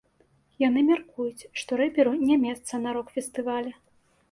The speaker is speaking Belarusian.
Яны мяркуюць, што рэперу не месца на рок-фестывалі.